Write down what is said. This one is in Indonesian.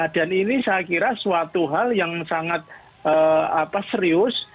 dan ini saya kira suatu hal yang sangat serius